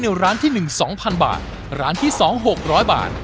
เงินไว้ในร้านที่หนึ่งสองพันบาทร้านที่สองหกร้อยบาท